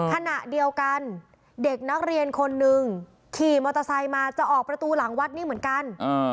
ขณะเดียวกันเด็กนักเรียนคนนึงขี่มอเตอร์ไซค์มาจะออกประตูหลังวัดนี่เหมือนกัน